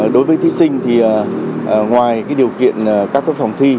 đối với thí sinh thì ngoài cái điều kiện các cái phòng thi